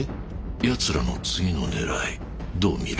奴らの次の狙いどう見る？